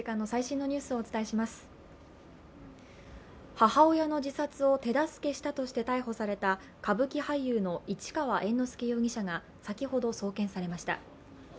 母親の自殺を手助けしたとして逮捕された歌舞伎俳優の市川猿之助容疑者が先ほど送検されました。